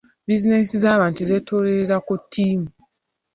Bizinensi z'abantu zeetooloolera ku ttiimu.